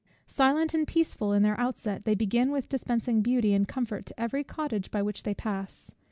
Silent and peaceful in their outset, they begin with dispensing beauty and comfort to every cottage by which they pass.